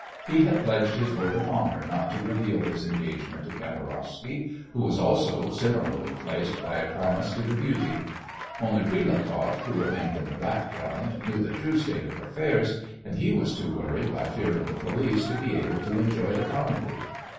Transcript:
He had pledged his word of honour not to reveal his engagement to Kamarowsky, who was also similarly placed by a promise to the beauty. Only Prilukoff, who remained in the background, knew the true state of affairs, and he was too worried by fear of the police to be able to enjoy the comedy.